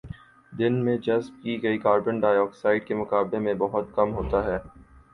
دن میں جذب کی گئی کاربن ڈائی آکسائیڈ کے مقابلے میں بہت کم ہوتا ہے